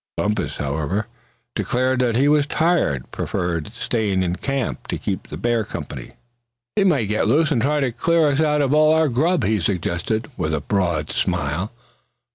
Bumpus, however, declared he was that tired he preferred staying in the camp, to keep the bear company. "He might get loose and try to clean us out of all our grub," he suggested, with a broad smile.